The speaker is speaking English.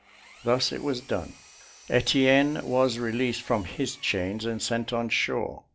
Thus it was done. Etienne was released from his chains and sent on shore.